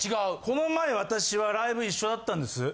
・この前私はライブ一緒だったんです。